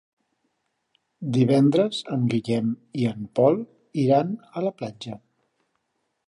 Divendres en Guillem i en Pol iran a la platja.